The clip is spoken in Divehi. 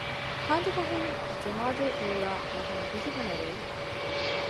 ހަނދުމަހުން ޖުމާދަލްއޫލާ މަހުން ވިހި ވަނަ ރޭ